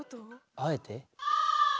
あえて？